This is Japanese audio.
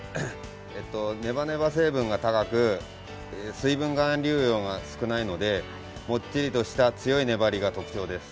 ねばねば成分が高く水分含有量が少ないのでもっちりとした強い粘りが特徴です。